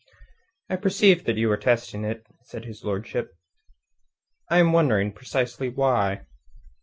"I perceived that you were testing it," said his lordship. "I am wondering precisely why."